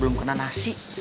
belum kena nasi